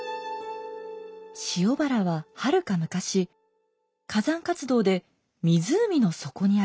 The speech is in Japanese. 塩原ははるか昔火山活動で湖の底にありました。